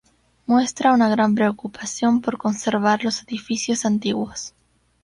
Muestra una gran preocupación por conservar los edificios antiguos.